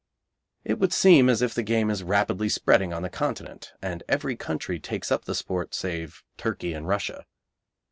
It would seem as if the game is rapidly spreading on the Continent, and every country takes up the sport save Turkey and Russia.